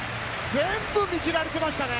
全部、見切られてましたね。